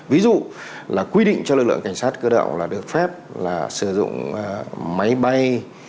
ví dụ là quy định cho lực lượng cảnh sát cơ động là được phép là sử dụng máy bay